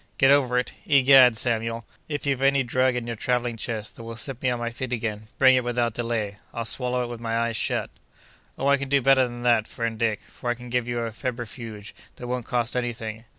"Get over it! Egad, Samuel, if you've any drug in your travelling chest that will set me on my feet again, bring it without delay. I'll swallow it with my eyes shut!" "Oh, I can do better than that, friend Dick; for I can give you a febrifuge that won't cost any thing."